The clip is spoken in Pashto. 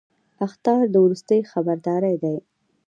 اخطار د وروستي خبرداری دی